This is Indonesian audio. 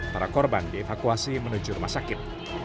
para korban dievakuasi menuju rumah sakit